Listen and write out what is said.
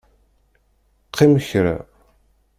Qqim kra.